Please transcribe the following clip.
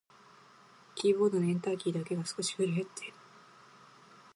キーボードのエンターキーだけが少しすり減っている。